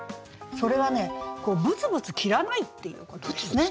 それはねこうブツブツ切らないっていうことですね。